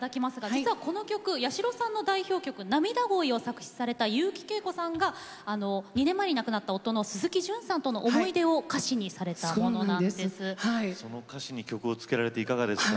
実はこの曲、八代さんの代表曲「なみだ恋」を作曲された悠木圭子さんが２年前に亡くなった夫の鈴木淳さんとの思い出をその歌詞に曲をつけられていかがですか？